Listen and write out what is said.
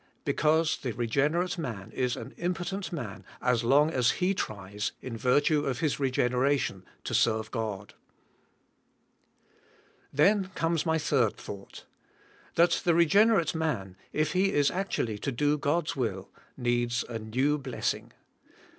Because the reg'enerate man is an impotent man as long as he tries, in virtue of his reg'eneration, to serve God. Then comes my third thoug ht. That the reg'en erate man, if he is actuall}^ to do God's will, needs a new blessing